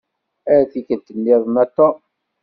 Ar tikkelt-nniḍen a Tom.